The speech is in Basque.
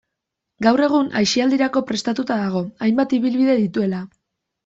Gaur egun, aisialdirako prestatua dago, hainbat ibilbide dituela.